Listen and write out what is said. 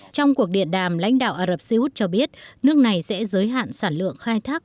trong cuộc điện đàm lãnh đạo ả rập xê út cho biết nước này sẽ giới hạn sản lượng khai thác